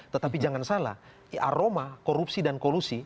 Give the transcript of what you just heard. tetapi jangan salah aroma korupsi dan kolusi